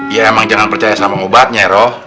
ya emang jangan percaya sama obatnya ya roh